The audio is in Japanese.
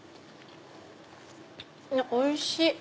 おいしい！